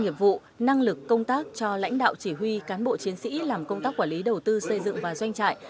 nghiệp vụ năng lực công tác cho lãnh đạo chỉ huy cán bộ chiến sĩ làm công tác quản lý đầu tư xây dựng và doanh trại